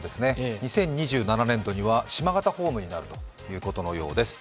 ２０２７年度には島形ホームになるということです。